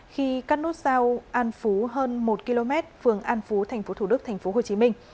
khi cắt nốt sao an phú hơn một km phường an phú tp thủ đức tp hcm